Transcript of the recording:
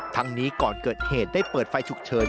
ทั้งนี้ก่อนเกิดเหตุได้เปิดไฟฉุกเฉิน